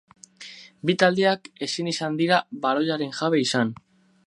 Bi taldeak ezin izan dira baloiaren jabe izan.